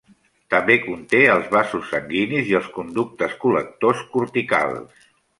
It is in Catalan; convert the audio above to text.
També conté els vasos sanguinis i els conductes col·lectors corticals.